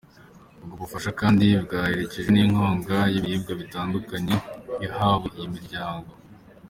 Ubwo bufasha kandi bwaherejekwe n’inkunga y’ibiribwa bitandukanye yahawe iyi miryango.